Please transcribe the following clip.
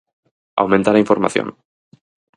Aumentar a información.